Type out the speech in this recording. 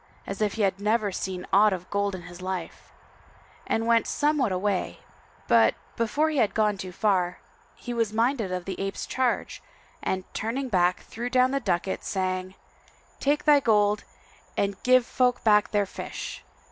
as if he had never seen aught of gold in his life; and went somewhat away, but, before he had gone far, he was minded of the ape's charge and turning back threw down the ducat, saying, "Take thy gold and give folk back their fish!